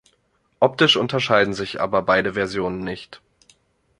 Optisch unterscheiden sich aber beide Versionen nicht.